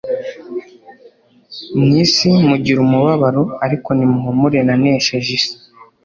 Mu isi mugira umubabaro ariko ni muhumure nanesheje isi.»